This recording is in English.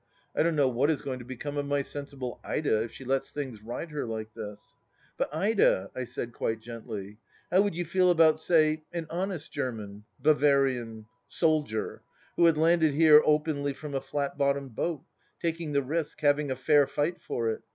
I don't know what is going to become of my sensible Ida if she lets things ride her like this ?" But, Ida," I said, quite gently, " how would you feel about, say, an honest German— Bavarian— soldier who had landed here openly from a flat bottomed boat, taking the risk havmg a fair fight for it